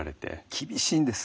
厳しいんです。